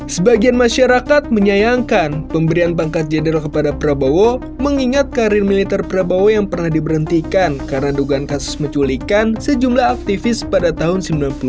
sebagian masyarakat menyayangkan pemberian pangkat jenderal kepada prabowo mengingat karir militer prabowo yang pernah diberhentikan karena dugaan kasus menculikan sejumlah aktivis pada tahun seribu sembilan ratus sembilan puluh sembilan